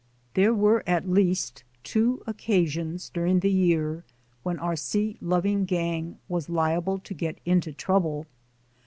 There were at least two occasions during the year when our sea loving gang was liable to get into trouble.